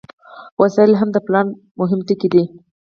وسایل هم د پلان مهم ټکي دي.